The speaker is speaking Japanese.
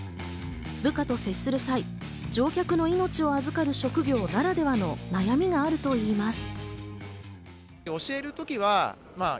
部下と接する際、乗客の命を預かる職業ならではの悩みがあるといいます。